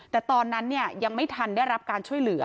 แต่ตอนนั้นยังไม่ทันได้รับการช่วยเหลือ